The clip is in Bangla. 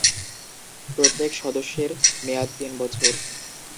প্রত্যেক সদস্যের মেয়াদ তিন বছর।